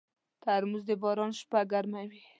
ترموز د باران شپه ګرموي.